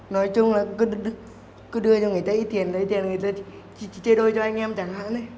nói chung là cứ đưa cho người ta ít tiền lấy tiền người ta chơi đôi cho anh em chẳng hạn